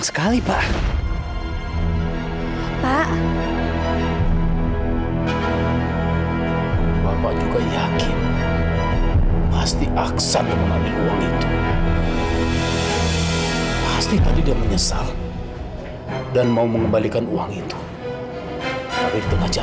sampai jumpa di video selanjutnya